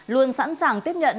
luôn sẵn sàng tiếp nhận